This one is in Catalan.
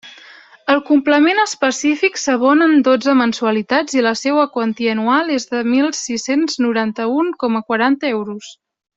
El complement específic s'abona en dotze mensualitats i la seua quantia anual és de mil sis-cents noranta-un coma quaranta euros.